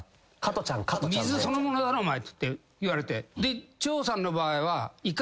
「水そのものだろお前」って言われて長さんの場合は。